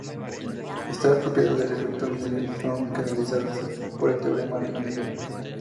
Estas propiedades del efecto Miller son generalizadas por el teorema de Miller.